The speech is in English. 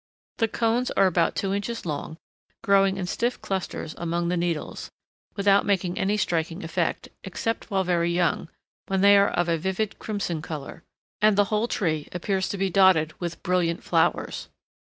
The cones are about two inches long, growing in stiff clusters among the needles, without making any striking effect, except while very young, when they are of a vivid crimson color, and the whole tree appears to be dotted with brilliant flowers.